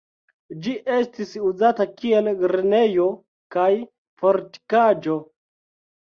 Ĝi estis uzata kiel grenejo kaj fortikaĵo.